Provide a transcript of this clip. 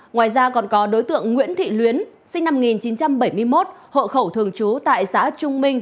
ngoài ra còn có đối tượng nguyễn thị luyến sinh năm một nghìn chín trăm bảy mươi một hộ khẩu thường trú tại xã trung minh